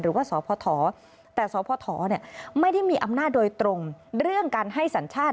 หรือว่าสพแต่สพไม่ได้มีอำนาจโดยตรงเรื่องการให้สัญชาติ